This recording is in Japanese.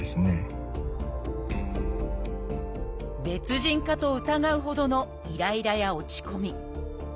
別人かと疑うほどのイライラや落ち込み。